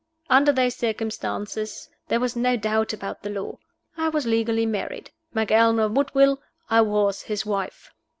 Under those circumstances, there was no doubt about the law. I was legally married. Macallan or Woodville, I was his wife.